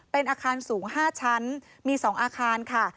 เป็นอาคารสูง๕ชั้นมี๒อาคารค่ะ